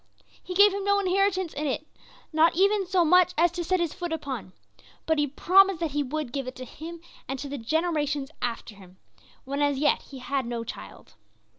He gave him no inheritance in it, not even so much as to set his foot upon; but he promised that he would give it to him and to the generations after him, when as yet he had no child.